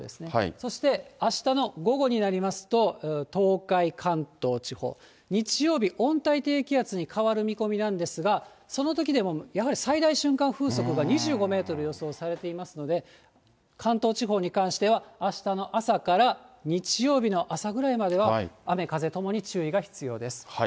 そしてあしたの午後になりますと、東海、関東地方、日曜日、温帯低気圧に変わる見込みなんですが、そのときでもやはり最大瞬間風速が２５メートル予想されていますので、関東地方に関しては、あしたの朝から日曜日の朝ぐらいまでは、雨風ともに注意が必要です。